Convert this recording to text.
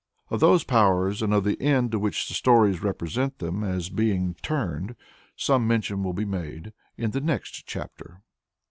Of those powers, and of the end to which the stories represent them as being turned, some mention will be made in the next chapter.